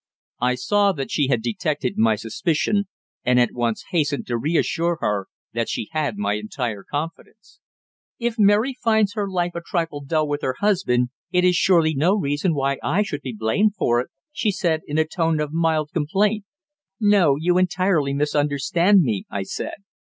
I saw that she had detected my suspicion, and at once hastened to reassure her that she had my entire confidence. "If Mary finds her life a trifle dull with her husband it is surely no reason why I should be blamed for it," she said, in a tone of mild complaint. "No, you entirely misunderstand me," I said.